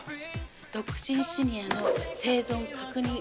独身シニアの生存確認